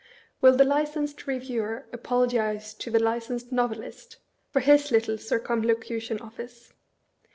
Will the licensed Eeviewer apologize to the Licensed Novelist, for his little Circumlocution Of&ce?